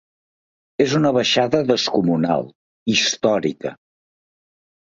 És una baixada descomunal, històrica.